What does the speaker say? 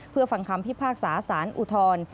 เพื่อฟังคำพิพากษาสารอุทธร